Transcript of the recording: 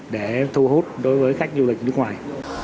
để thu hút đối với khách du lịch nước ngoài